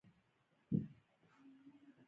د امید خوند مایوسي ختموي.